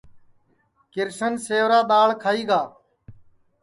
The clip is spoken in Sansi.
کرشن سیورا دؔاݪ کھائی گا